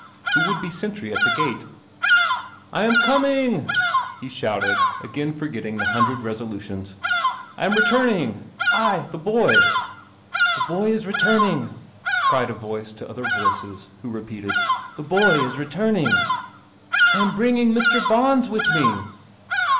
Who would be sentry at the Gate ?" I am coming," he shouted, again forgetting the hundred resolutions. " I am returning — I, the boy." " The boy is returning," cried a voice to other voices, who repeated, " The boy is returning.'* " I am bringing Mr. Bons with me."